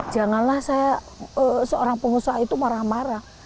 janganlah saya seorang pengusaha itu marah marah